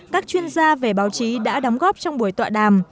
các chuyên gia về báo chí đã đóng góp trong buổi tọa đàm